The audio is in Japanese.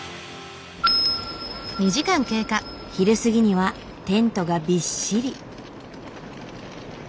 昼過ぎにはテントがびっしり。